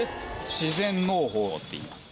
自然農法っていいます。